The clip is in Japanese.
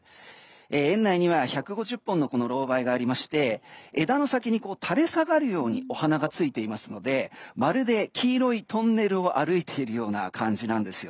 園内には１５０本のロウバイがありまして枝の先に垂れ下がるようにお花がついていますのでまるで、黄色いトンネルを歩いているような感じなんです。